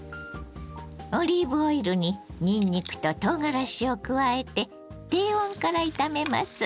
オリーブオイルににんにくととうがらしを加えて低温から炒めます。